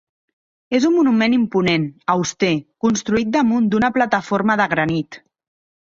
És un monument imponent, auster, construït damunt d'una plataforma de granit.